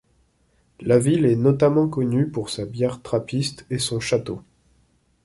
La ville est notamment connue pour sa bière trappiste et son château.